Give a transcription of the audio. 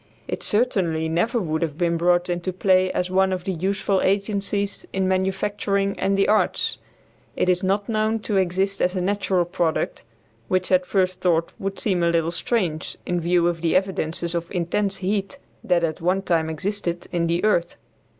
It certainly never could have been brought into play as one of the useful agencies in manufacturing and the arts. It is not known to exist as a natural product, which at first thought would seem a little strange in view of the evidences of intense heat that at one time existed in the earth.